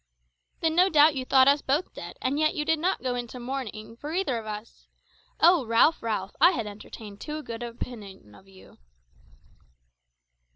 "Then no doubt you thought us both dead, and yet you did not go into mourning for either of us! O Ralph, Ralph, I had entertained too good an opinion of you."